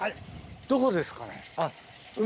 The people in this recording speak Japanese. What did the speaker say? どこですかね？